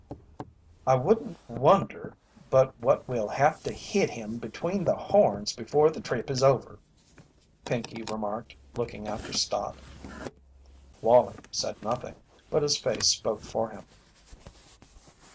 "I wouldn't wonder but that we'll have to hit him between the horns before the trip is over," Pinkey remarked, looking after Stott. Wallie said nothing, but his face spoke for him.